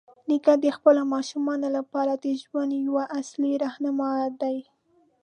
نیکه د خپلو ماشومانو لپاره د ژوند یوه اصلي راهنما دی.